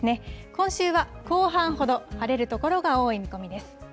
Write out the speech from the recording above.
今週は後半ほど晴れる所が多い見込みです。